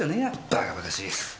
バカバカしい。